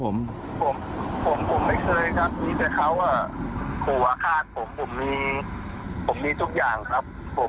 ผมผมไม่เคยครับมีแต่เขาขู่อาฆาตผมผมมีผมมีทุกอย่างครับผม